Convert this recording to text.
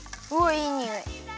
いいにおい。